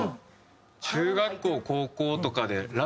中学校高校とかで。